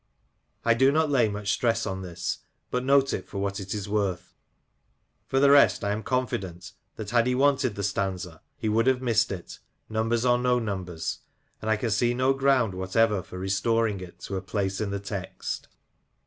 I do not lay much stress on this, but note it for what it is worth. For the rest, I am confident that, had he wanted the stanza, he would have missed it, numbers or no numbers ; and I can see no ground what ever for restoring it to a place in the text.